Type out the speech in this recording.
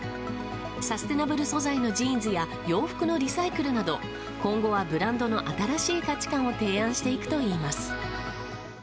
サステナブル素材のジーンズや洋服のリサイクルなど今後はブランドの新しい価値観を提案していくといいます。